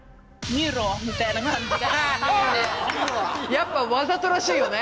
やっぱわざとらしいよね。